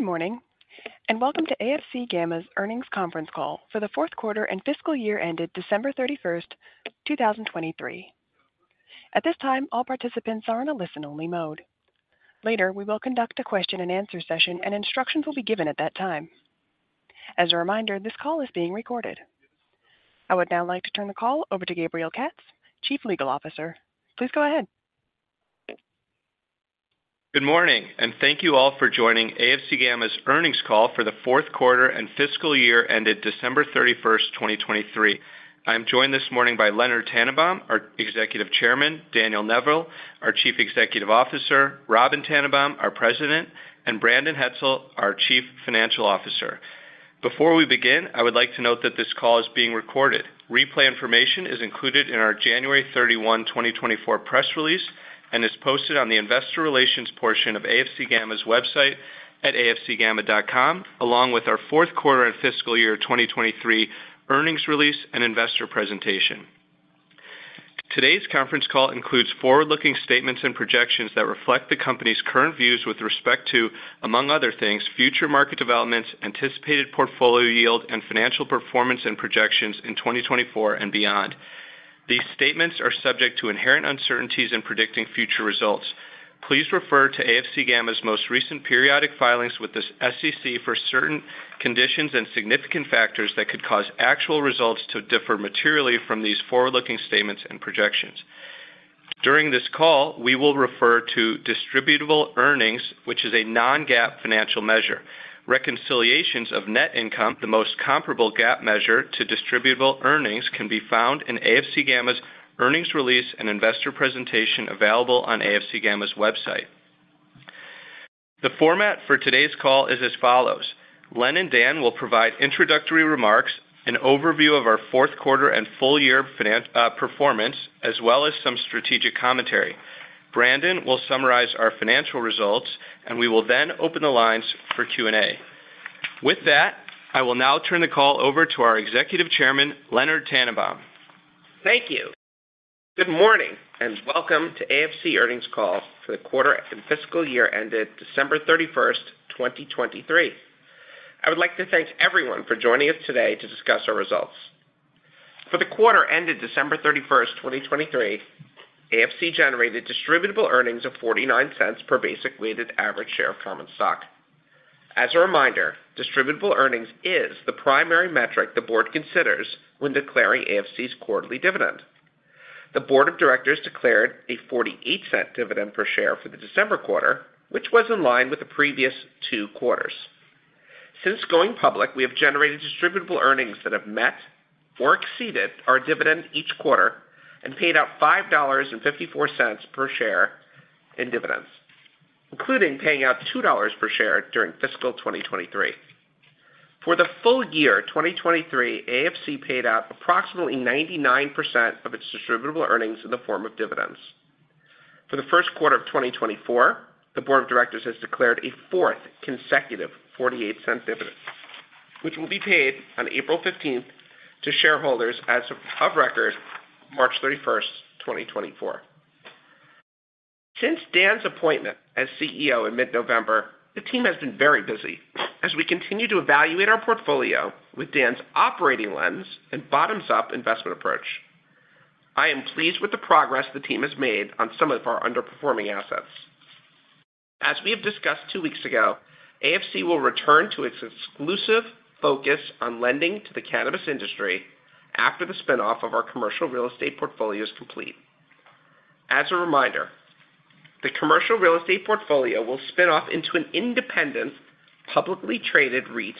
Good morning, and welcome to AFC Gamma's earnings conference call for the fourth quarter and fiscal year ended December 31st, 2023. At this time, all participants are in a listen-only mode. Later, we will conduct a question-and-answer session, and instructions will be given at that time. As a reminder, this call is being recorded. I would now like to turn the call over to Gabriel Katz, Chief Legal Officer. Please go ahead. Good morning, and thank you all for joining AFC Gamma's earnings call for the fourth quarter and fiscal year ended December 31st, 2023. I'm joined this morning by Leonard Tannenbaum, our Executive Chairman; Daniel Neville, our Chief Executive Officer; Robyn Tannenbaum, our President; and Brandon Hetzel, our Chief Financial Officer. Before we begin, I would like to note that this call is being recorded. Replay information is included in our January 31, 2024 press release and is posted on the investor relations portion of AFC Gamma's website at afcgamma.com, along with our fourth quarter and fiscal year 2023 earnings release and investor presentation. Today's conference call includes forward-looking statements and projections that reflect the company's current views with respect to, among other things, future market developments, anticipated portfolio yield, and financial performance and projections in 2024 and beyond. These statements are subject to inherent uncertainties in predicting future results. Please refer to AFC Gamma's most recent periodic filings with the SEC for certain conditions and significant factors that could cause actual results to differ materially from these forward-looking statements and projections. During this call, we will refer to distributable earnings, which is a non-GAAP financial measure. Reconciliations of net income, the most comparable GAAP measure to distributable earnings, can be found in AFC Gamma's earnings release and investor presentation available on AFC Gamma's website. The format for today's call is as follows: Len and Dan will provide introductory remarks, an overview of our fourth quarter and full year financial performance, as well as some strategic commentary. Brandon will summarize our financial results, and we will then open the lines for Q&A. With that, I will now turn the call over to our Executive Chairman, Leonard Tannenbaum. Thank you. Good morning, and welcome to AFC earnings call for the quarter and fiscal year ended December 31st, 2023. I would like to thank everyone for joining us today to discuss our results. For the quarter ended December 31st, 2023, AFC generated distributable earnings of $0.49 per basic weighted average share of common stock. As a reminder, distributable earnings is the primary metric the board considers when declaring AFC's quarterly dividend. The board of directors declared a $0.48 dividend per share for the December quarter, which was in line with the previous two quarters. Since going public, we have generated distributable earnings that have met or exceeded our dividend each quarter and paid out $5.54 per share in dividends, including paying out $2 per share during fiscal 2023. For the full year 2023, AFC paid out approximately 99% of its distributable earnings in the form of dividends. For the first quarter of 2024, the board of directors has declared a fourth consecutive $0.48 dividend, which will be paid on April 15th to shareholders as of record, March 31st, 2024. Since Dan's appointment as CEO in mid-November, the team has been very busy. As we continue to evaluate our portfolio with Dan's operating lens and bottoms-up investment approach, I am pleased with the progress the team has made on some of our underperforming assets. As we have discussed two weeks ago, AFC will return to its exclusive focus on lending to the cannabis industry after the spin-off of our commercial real estate portfolio is complete. As a reminder, the commercial real estate portfolio will spin off into an independent, publicly traded REIT,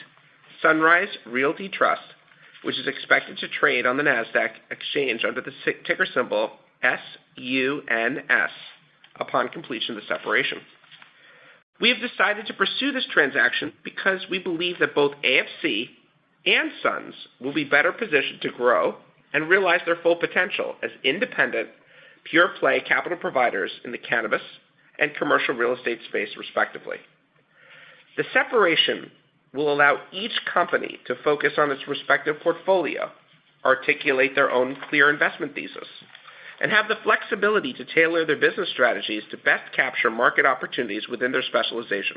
Sunrise Realty Trust, which is expected to trade on the Nasdaq exchange under the ticker symbol SUNS, upon completion of the separation. We have decided to pursue this transaction because we believe that both AFC and Suns will be better positioned to grow and realize their full potential as independent, pure-play capital providers in the cannabis and commercial real estate space, respectively. The separation will allow each company to focus on its respective portfolio, articulate their own clear investment thesis, and have the flexibility to tailor their business strategies to best capture market opportunities within their specialization.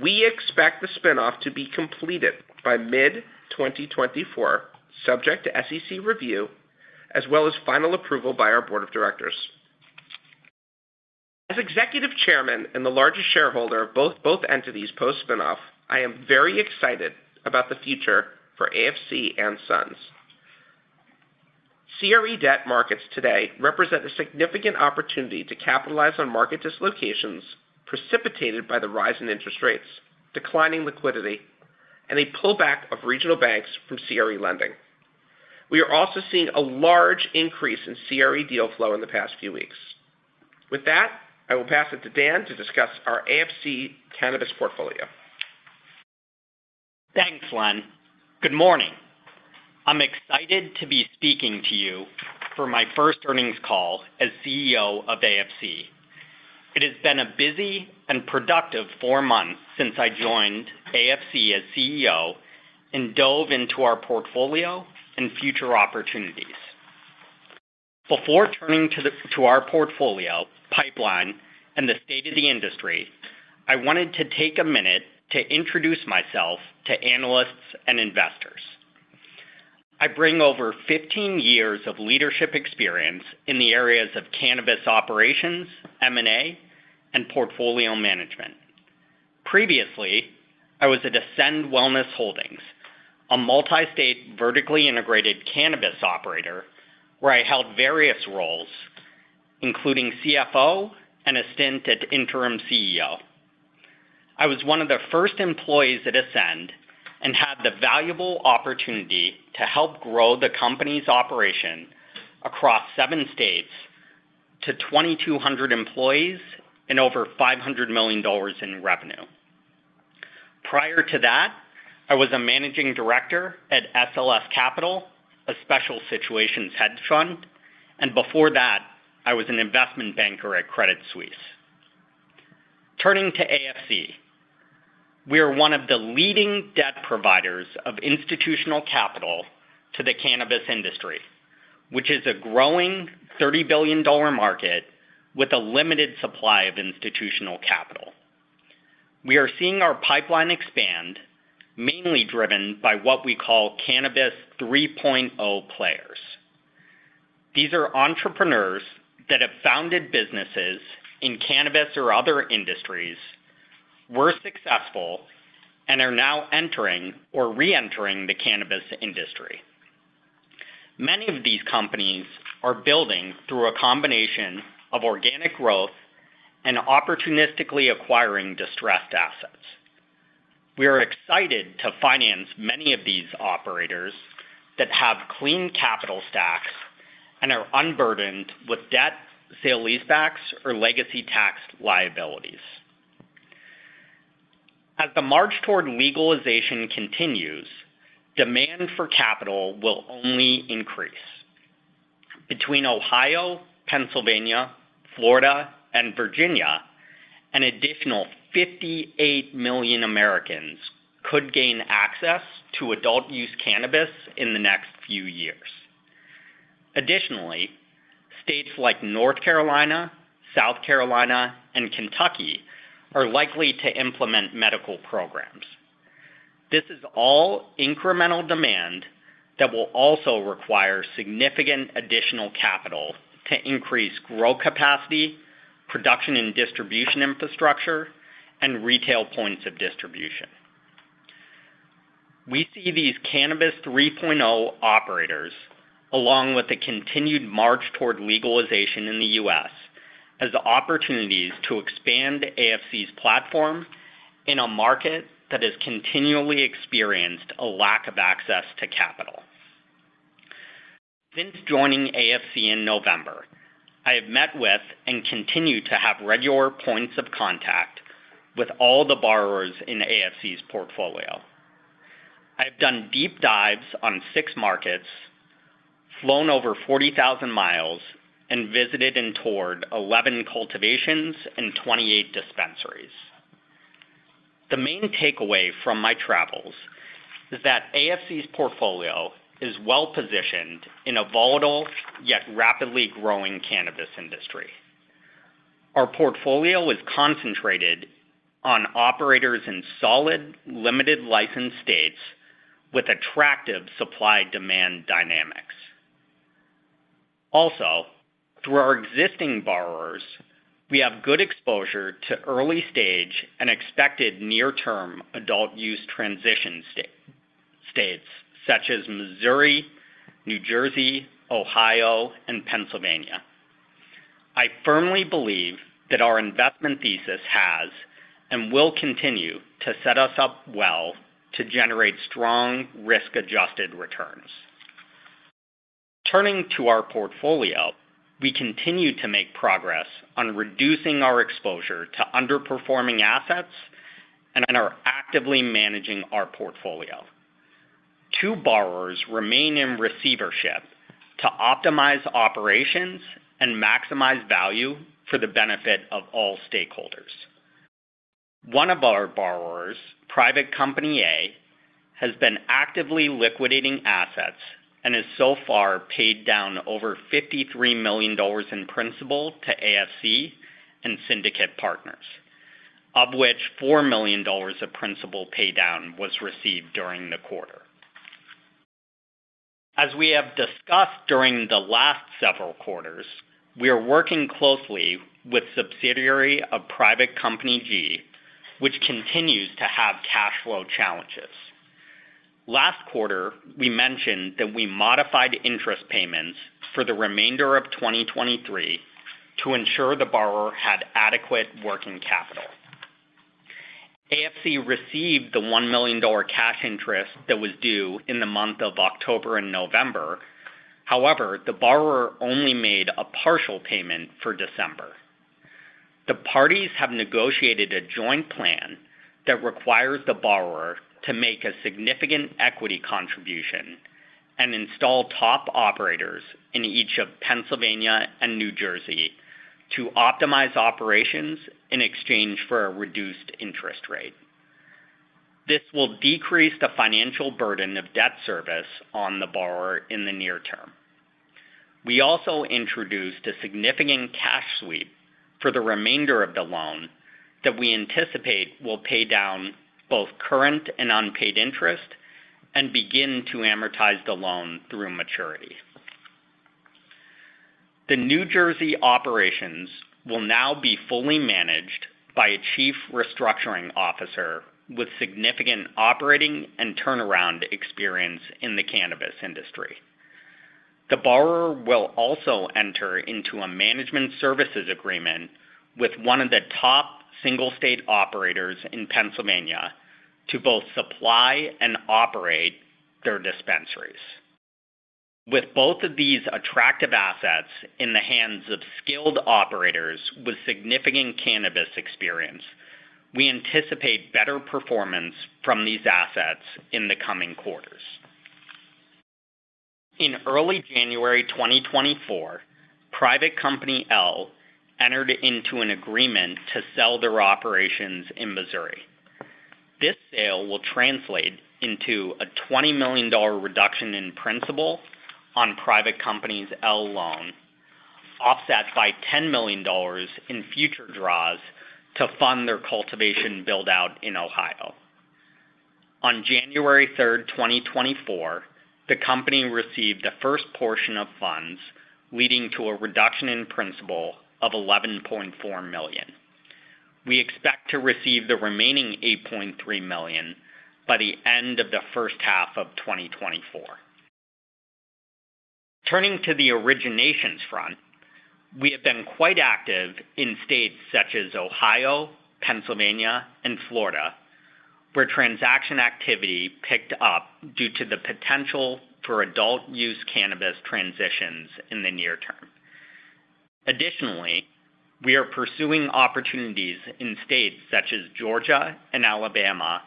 We expect the spin-off to be completed by mid-2024, subject to SEC review, as well as final approval by our board of directors. As Executive Chairman and the largest shareholder of both, both entities post-spinoff, I am very excited about the future for AFC and Suns. CRE debt markets today represent a significant opportunity to capitalize on market dislocations precipitated by the rise in interest rates, declining liquidity, and a pullback of regional banks from CRE lending. We are also seeing a large increase in CRE deal flow in the past few weeks. With that, I will pass it to Dan to discuss our AFC cannabis portfolio. Thanks, Len. Good morning. I'm excited to be speaking to you for my first earnings call as CEO of AFC. It has been a busy and productive four months since I joined AFC as CEO and dove into our portfolio and future opportunities. Before turning to our portfolio, pipeline, and the state of the industry, I wanted to take a minute to introduce myself to analysts and investors. I bring over 15 years of leadership experience in the areas of cannabis operations, M&A, and portfolio management. Previously, I was at Ascend Wellness Holdings, a multi-state, vertically integrated cannabis operator, where I held various roles, including CFO and a stint at interim CEO. I was one of the first employees at Ascend and had the valuable opportunity to help grow the company's operation across seven states to 2,200 employees and over $500 million in revenue. Prior to that, I was a managing director at SLS Capital, a special situations hedge fund, and before that, I was an investment banker at Credit Suisse. Turning to AFC, we are one of the leading debt providers of institutional capital to the cannabis industry, which is a growing $30 billion market with a limited supply of institutional capital. We are seeing our pipeline expand, mainly driven by what we call Cannabis 3.0 players. These are entrepreneurs that have founded businesses in cannabis or other industries, were successful, and are now entering or reentering the cannabis industry. Many of these companies are building through a combination of organic growth and opportunistically acquiring distressed assets. We are excited to finance many of these operators that have clean capital stacks and are unburdened with debt, sale-leasebacks, or legacy tax liabilities. As the march toward legalization continues, demand for capital will only increase. Between Ohio, Pennsylvania, Florida, and Virginia, an additional 58 million Americans could gain access to adult-use cannabis in the next few years. Additionally, states like North Carolina, South Carolina, and Kentucky are likely to implement medical programs. This is all incremental demand that will also require significant additional capital to increase grow capacity, production and distribution infrastructure, and retail points of distribution. We see these Cannabis 3.0 operators, along with the continued march toward legalization in the U.S., as opportunities to expand AFC's platform in a market that has continually experienced a lack of access to capital. Since joining AFC in November, I have met with and continue to have regular points of contact with all the borrowers in AFC's portfolio. I've done deep dives on six markets, flown over 40,000 miles, and visited and toured 11 cultivations and 28 dispensaries. The main takeaway from my travels is that AFC's portfolio is well-positioned in a volatile, yet rapidly growing cannabis industry. Our portfolio is concentrated on operators in solid, limited license states with attractive supply-demand dynamics. Also, through our existing borrowers, we have good exposure to early stage and expected near-term adult-use transition states, such as Missouri, New Jersey, Ohio, and Pennsylvania. I firmly believe that our investment thesis has and will continue to set us up well to generate strong, risk-adjusted returns. Turning to our portfolio, we continue to make progress on reducing our exposure to underperforming assets and are actively managing our portfolio. Two borrowers remain in receivership to optimize operations and maximize value for the benefit of all stakeholders. One of our borrowers, Private Company A, has been actively liquidating assets and has so far paid down over $53 million in principal to AFC and syndicate partners, of which $4 million of principal paydown was received during the quarter. As we have discussed during the last several quarters, we are working closely with subsidiary of Private Company G, which continues to have cash flow challenges. Last quarter, we mentioned that we modified interest payments for the remainder of 2023 to ensure the borrower had adequate working capital. AFC received the $1 million cash interest that was due in the month of October and November. However, the borrower only made a partial payment for December. The parties have negotiated a joint plan that requires the borrower to make a significant equity contribution and install top operators in each of Pennsylvania and New Jersey to optimize operations in exchange for a reduced interest rate. This will decrease the financial burden of debt service on the borrower in the near term. We also introduced a significant cash sweep for the remainder of the loan that we anticipate will paydown both current and unpaid interest and begin to amortize the loan through maturity. The New Jersey operations will now be fully managed by a chief restructuring officer, with significant operating and turnaround experience in the cannabis industry. The borrower will also enter into a management services agreement with one of the top single-state operators in Pennsylvania to both supply and operate their dispensaries. With both of these attractive assets in the hands of skilled operators with significant cannabis experience, we anticipate better performance from these assets in the coming quarters. In early January 2024, Private Company L entered into an agreement to sell their operations in Missouri. This sale will translate into a $20 million reduction in principal on Private Company L loan, offset by $10 million in future draws to fund their cultivation build-out in Ohio. On January 3rd, 2024, the company received the first portion of funds, leading to a reduction in principal of $11.4 million. We expect to receive the remaining $8.3 million by the end of the first half of 2024. Turning to the originations front, we have been quite active in states such as Ohio, Pennsylvania, and Florida, where transaction activity picked up due to the potential for adult-use cannabis transitions in the near term. Additionally, we are pursuing opportunities in states such as Georgia and Alabama,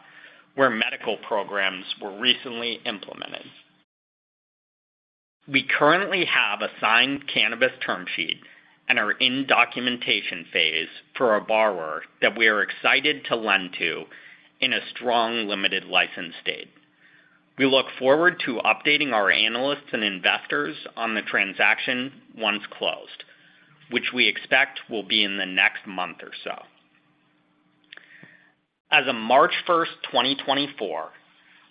where medical programs were recently implemented. We currently have a signed cannabis term sheet and are in documentation phase for a borrower that we are excited to lend to in a strong, limited license state. We look forward to updating our analysts and investors on the transaction once closed, which we expect will be in the next month or so. As of March 1st, 2024,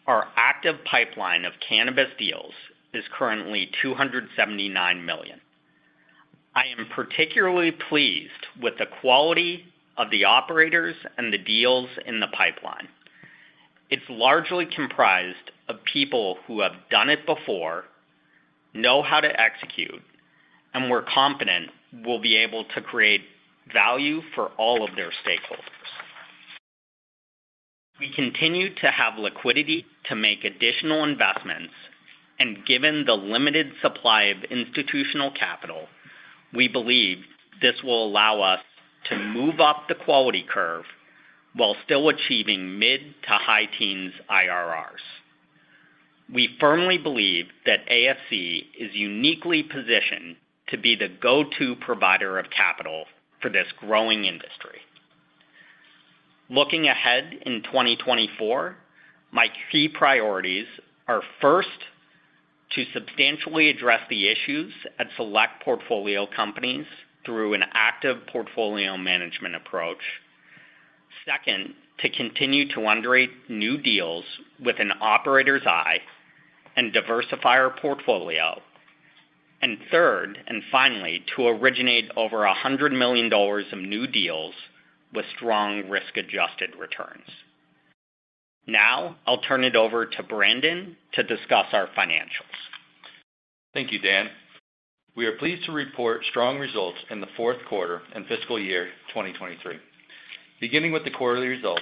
our active pipeline of cannabis deals is currently $279 million. I am particularly pleased with the quality of the operators and the deals in the pipeline. It's largely comprised of people who have done it before, know how to execute, and we're confident will be able to create value for all of their stakeholders. We continue to have liquidity to make additional investments, and given the limited supply of institutional capital, we believe this will allow us to move up the quality curve while still achieving mid- to high-teens IRRs. We firmly believe that AFC is uniquely positioned to be the go-to provider of capital for this growing industry. Looking ahead in 2024, my key priorities are, first, to substantially address the issues at select portfolio companies through an active portfolio management approach. Second, to continue to underwrite new deals with an operator's eye and diversify our portfolio. And third, and finally, to originate over $100 million of new deals with strong risk-adjusted returns. Now, I'll turn it over to Brandon to discuss our financials. Thank you, Dan. We are pleased to report strong results in the fourth quarter and fiscal year 2023. Beginning with the quarterly results,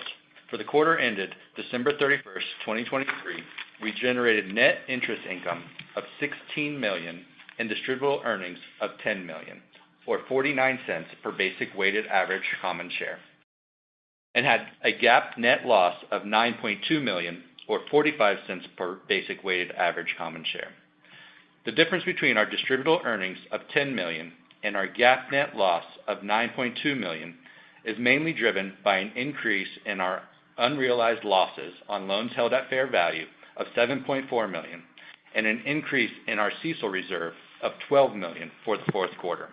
for the quarter ended December 31, 2023, we generated net interest income of $16 million and distributable earnings of $10 million, or $0.49 per basic weighted average common share, and had a GAAP net loss of $9.2 million, or $0.45 per basic weighted average common share. The difference between our distributable earnings of $10 million and our GAAP net loss of $9.2 million is mainly driven by an increase in our unrealized losses on loans held at fair value of $7.4 million, and an increase in our CECL reserve of $12 million for the fourth quarter.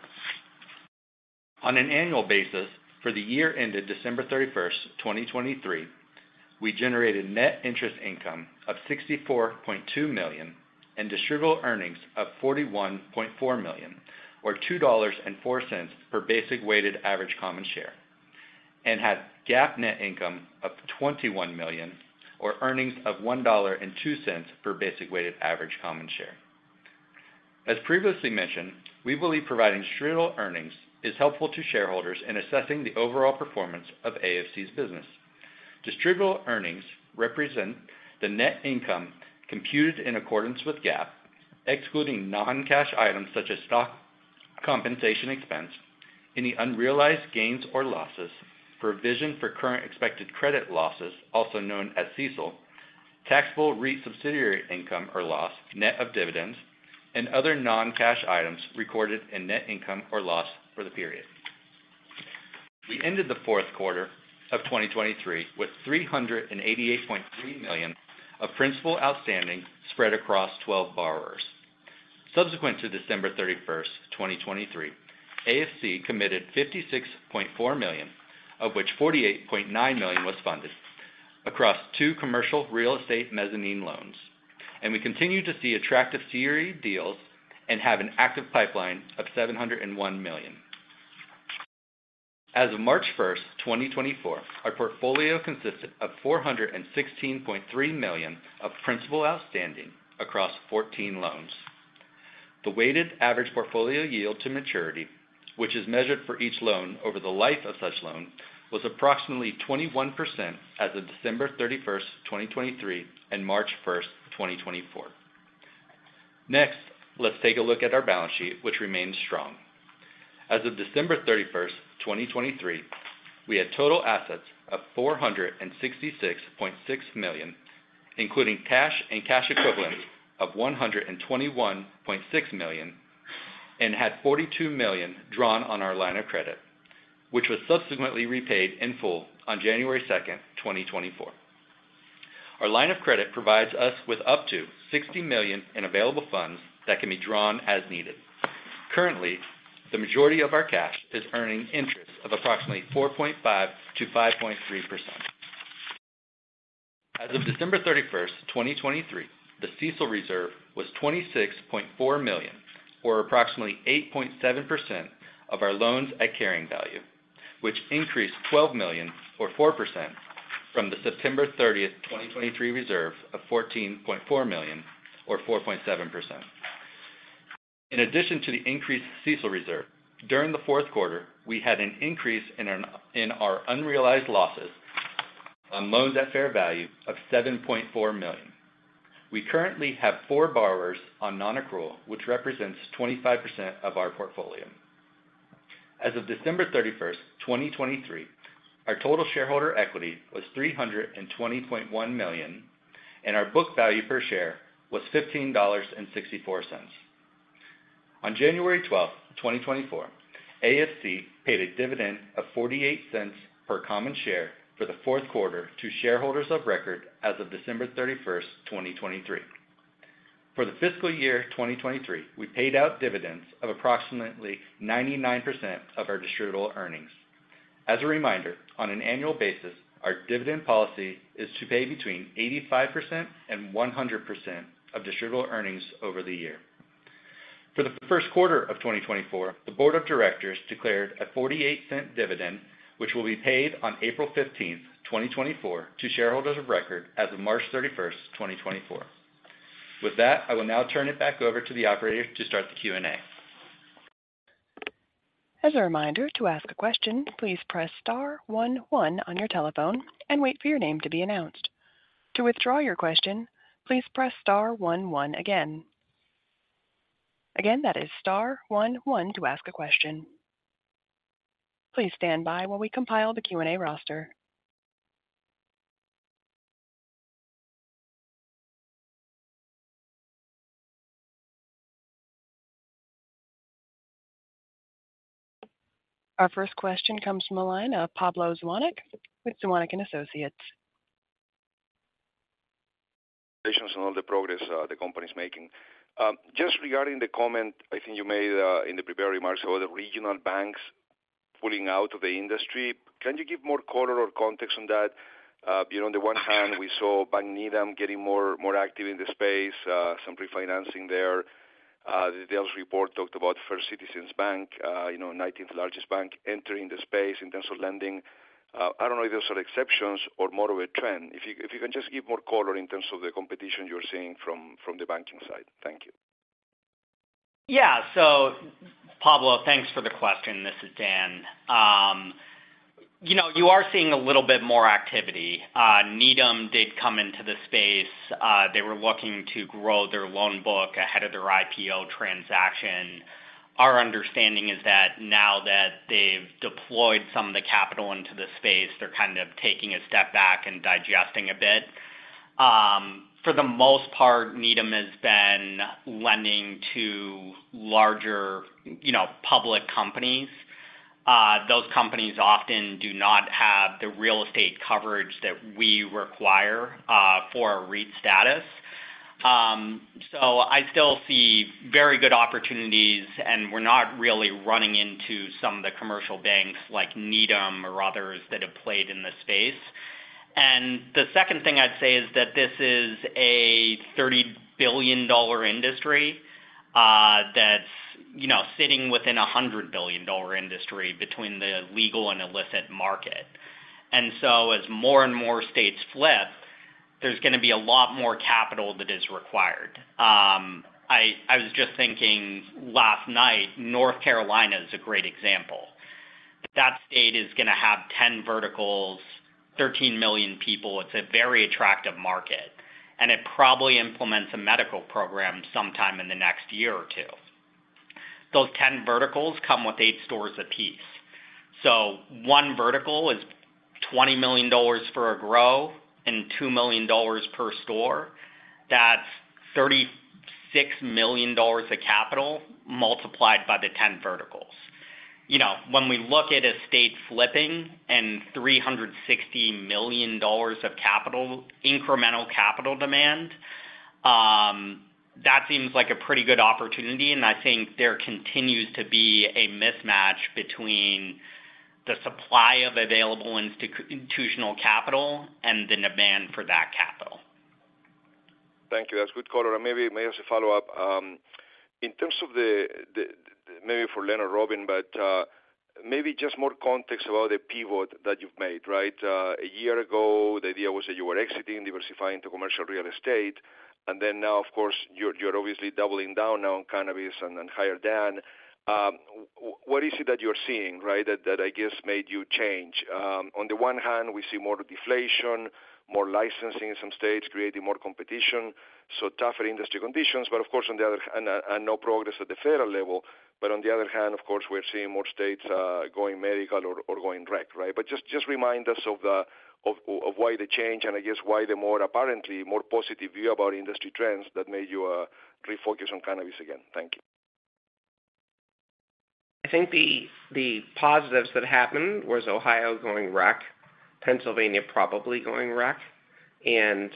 On an annual basis, for the year ended December 31st, 2023, we generated net interest income of $64.2 million and distributable earnings of $41.4 million, or $2.04 per basic weighted average common share, and had GAAP net income of $21 million or earnings of $1.02 per basic weighted average common share. As previously mentioned, we believe providing distributable earnings is helpful to shareholders in assessing the overall performance of AFC's business. Distributable earnings represent the net income computed in accordance with GAAP, excluding non-cash items such as stock compensation expense, any unrealized gains or losses, provision for current expected credit losses, also known as CECL, taxable REIT subsidiary income or loss, net of dividends, and other non-cash items recorded in net income or loss for the period. We ended the fourth quarter of 2023 with $388.3 million of principal outstanding spread across 12 borrowers. Subsequent to December 31st, 2023, AFC committed $56.4 million, of which $48.9 million was funded across two commercial real estate mezzanine loans, and we continue to see attractive CRE deals and have an active pipeline of $701 million. As of March 1st, 2024, our portfolio consisted of $416.3 million of principal outstanding across 14 loans. The weighted average portfolio yield to maturity, which is measured for each loan over the life of such loan, was approximately 21% as of December 31st, 2023, and March 1st, 2024. Next, let's take a look at our balance sheet, which remains strong. As of December 31st, 2023, we had total assets of $466.6 million, including cash and cash equivalents of $121.6 million, and had $42 million drawn on our line of credit, which was subsequently repaid in full on January 2nd, 2024. Our line of credit provides us with up to $60 million in available funds that can be drawn as needed. Currently, the majority of our cash is earning interest of approximately 4.5%-5.3%. As of December 31st, 2023, the CECL reserve was $26.4 million, or approximately 8.7% of our loans at carrying value, which increased $12 million or 4% from the September 30th, 2023, reserve of $14.4 million, or 4.7%. In addition to the increased CECL reserve, during the fourth quarter, we had an increase in our unrealized losses on loans at fair value of $7.4 million. We currently have 4 borrowers on nonaccrual, which represents 25% of our portfolio. As of December 31st, 2023, our total shareholder equity was $320.1 million, and our book value per share was $15.64. On January 12, 2024, AFC paid a dividend of $0.48 per common share for the fourth quarter to shareholders of record as of December 31st, 2023. For the fiscal year 2023, we paid out dividends of approximately 99% of our distributable earnings. As a reminder, on an annual basis, our dividend policy is to pay between 85% and 100% of distributable earnings over the year. For the first quarter of 2024, the board of directors declared a $0.48 dividend, which will be paid on April 15th, 2024, to shareholders of record as of March 31st, 2024. With that, I will now turn it back over to the operator to start the Q&A. As a reminder, to ask a question, please press star one one on your telephone and wait for your name to be announced. To withdraw your question, please press star one one again. Again, that is star one one to ask a question. Please stand by while we compile the Q&A roster. Our first question comes from the line of Pablo Zuanic with Zuanic & Associates. On all the progress, the company is making. Just regarding the comment I think you made, in the prepared remarks about the regional banks pulling out of the industry, can you give more color or context on that? You know, on the one hand, we saw Needham Bank getting more, more active in the space, some refinancing there. The Deal's report talked about First Citizens Bank, you know, nineteenth largest bank entering the space in terms of lending. I don't know if those are exceptions or more of a trend. If you, if you can just give more color in terms of the competition you're seeing from, from the banking side. Thank you. Yeah. So Pablo, thanks for the question. This is Dan. You know, you are seeing a little bit more activity. Needham did come into the space. They were looking to grow their loan book ahead of their IPO transaction. Our understanding is that now that they've deployed some of the capital into the space, they're kind of taking a step back and digesting a bit. For the most part, Needham has been lending to larger, you know, public companies. Those companies often do not have the real estate coverage that we require for our REIT status. So I still see very good opportunities, and we're not really running into some of the commercial banks like Needham or others that have played in the space. And the second thing I'd say is that this is a $30 billion industry, that's, you know, sitting within a $100 billion industry between the legal and illicit market. And so as more and more states flip, there's gonna be a lot more capital that is required. I was just thinking last night, North Carolina is a great example. That state is gonna have 10 verticals, 13 million people. It's a very attractive market, and it probably implements a medical program sometime in the next year or two. Those 10 verticals come with eight stores a piece. So one vertical is-... $20 million for a grow and $2 million per store, that's $36 million of capital multiplied by the 10 verticals. You know, when we look at a state flipping and $360 million of capital, incremental capital demand, that seems like a pretty good opportunity, and I think there continues to be a mismatch between the supply of available institutional capital and the demand for that capital. Thank you. That's good, color. Maybe may I just a follow-up in terms of the, maybe for Len or Robin, but maybe just more context about the pivot that you've made, right? A year ago, the idea was that you were exiting, diversifying to commercial real estate, and then now, of course, you're obviously doubling down on cannabis and hiring Dan. What is it that you're seeing, right, that I guess made you change? On the one hand, we see more deflation, more licensing in some states, creating more competition, so tougher industry conditions, but of course, on the other, and no progress at the federal level. But on the other hand, of course, we're seeing more states going medical or going rec, right? Just remind us of why the change, and I guess why the apparently more positive view about industry trends that made you refocus on cannabis again? Thank you. I think the positives that happened was Ohio going rec, Pennsylvania probably going rec, and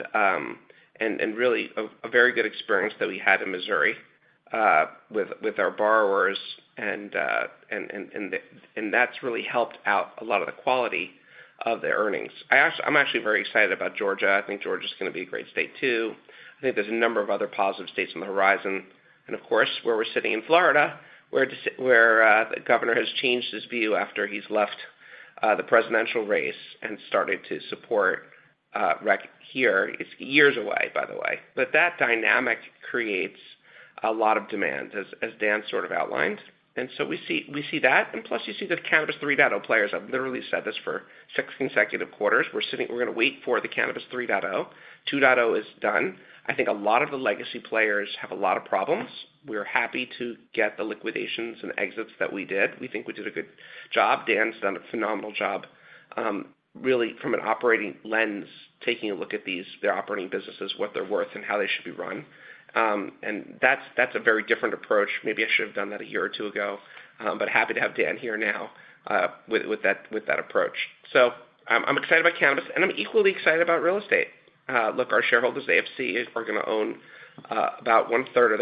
really a very good experience that we had in Missouri with our borrowers, and that's really helped out a lot of the quality of the earnings. I'm actually very excited about Georgia. I think Georgia is gonna be a great state, too. I think there's a number of other positive states on the horizon, and of course, where we're sitting in Florida, where the governor has changed his view after he's left the presidential race and started to support rec here. It's years away, by the way. But that dynamic creates a lot of demand, as Dan sort of outlined, and so we see that, and plus, you see the Cannabis 3.0 players. I've literally said this for six consecutive quarters. We're sitting, we're gonna wait for the Cannabis 3.0. 2.0 is done. I think a lot of the legacy players have a lot of problems. We're happy to get the liquidations and exits that we did. We think we did a good job. Dan's done a phenomenal job, really, from an operating lens, taking a look at these operating businesses, what they're worth and how they should be run. And that's a very different approach. Maybe I should have done that a year or two ago, but happy to have Dan here now, with that approach. So I'm, I'm excited about cannabis, and I'm equally excited about real estate. Look, our shareholders, AFC, are gonna own about one-third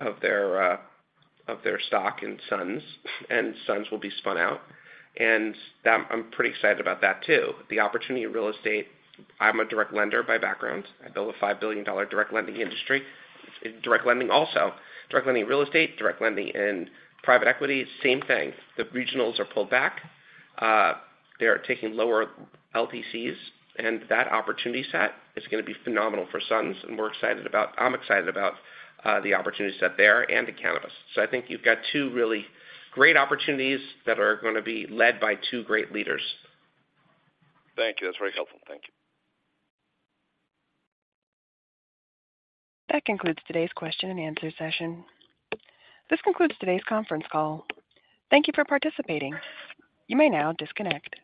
of their stock in SUNS, and SUNS will be spun out, and that, I'm pretty excited about that, too. The opportunity of real estate, I'm a direct lender by background. I build a $5 billion direct lending industry, direct lending also. Direct lending in real estate, direct lending in private equity, same thing. The regionals are pulled back, they are taking lower LTCs, and that opportunity set is gonna be phenomenal for SUNS, and we're excited about—I'm excited about the opportunity set there and the cannabis. So I think you've got two really great opportunities that are gonna be led by two great leaders. Thank you. That's very helpful. Thank you. That concludes today's question and answer session. This concludes today's conference call. Thank you for participating. You may now disconnect.